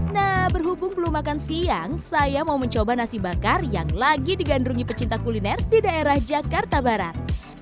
nah berhubung belum makan siang saya mau mencoba nasi bakar yang lagi digandrungi pecinta kuliner di daerah jakarta barat